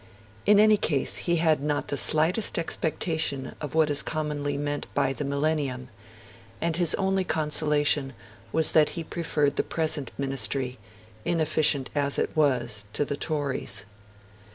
In any case, he had 'not the slightest expectation of what is commonly meant by the Millennium'. And his only consolation was that he preferred the present Ministry, inefficient as it was, to the Tories.